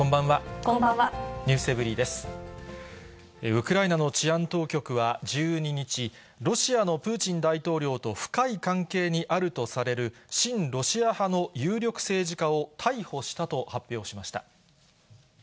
ウクライナの治安当局は１２日、ロシアのプーチン大統領と深い関係にあるとされる親ロシア派の有力政治家を逮捕したと発表しました。